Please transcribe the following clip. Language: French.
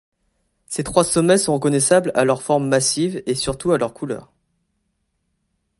Ces trois sommets sont reconnaissables à leur forme massive et surtout à leurs couleurs.